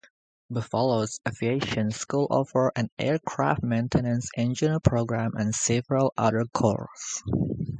Buffalo's aviation school offers an aircraft maintenance engineer program and several other courses.